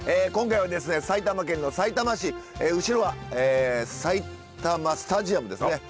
今回はですね埼玉県のさいたま市後ろは埼玉スタジアムですね。